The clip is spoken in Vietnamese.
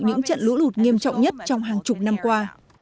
những trận lũ lụt nghiêm trọng nhất trong hàng chục năm qua